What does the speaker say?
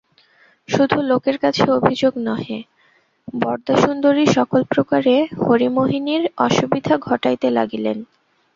শুধু লোকের কাছে অভিযোগ নহে, বরদাসুন্দরী সকল প্রকারে হরিমোহিনীর অসুবিধা ঘটাইতে লাগিলেন।